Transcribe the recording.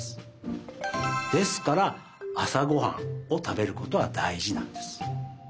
ですからあさごはんをたべることはだいじなんです。